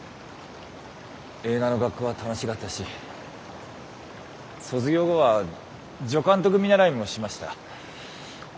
映画の学校は楽しがったし卒業後は助監督見習いもしました。